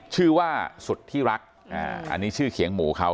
ชื่อว่าสุดที่รักอันนี้ชื่อเขียงหมูเขา